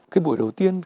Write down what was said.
cái buổi đầu tiên khi